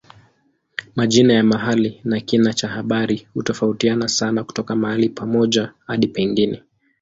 Majina ya mahali na kina cha habari hutofautiana sana kutoka mahali pamoja hadi pengine.